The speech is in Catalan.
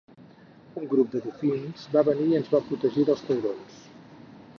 Un grup de dofins va venir i ens va protegir dels taurons.